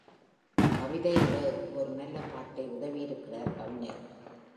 கவிதை உலகுக்கு ஒரு நல்ல பாட்டை உதவியிருக்கிறார் கவிஞர்.